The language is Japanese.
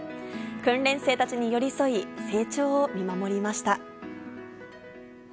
訓練生たちに寄り添い、成長を見守りました。